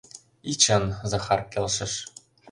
— И чын, — Захар келшыш.